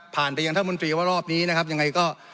ไปยังรัฐมนตรีว่ารอบนี้นะครับยังไงก็